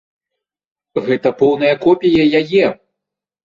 Гэта поўная копія яе!